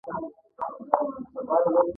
بله د معدن او پیټرولیم د انجینری ټولنه وه.